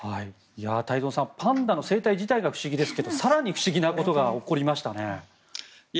太蔵さん、パンダの生態自体が不思議ですけど更に不思議なことが起こりましたね。